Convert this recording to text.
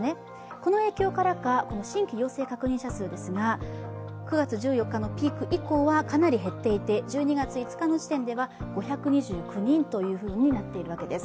この影響からか、新規陽性確認者数、９月１４日のピーク以降はかなり減っていて、１２月５日時点では５２９人となっています。